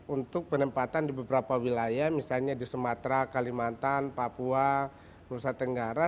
untuk penempatan di beberapa wilayah misalnya di sumatera kalimantan papua nusa tenggara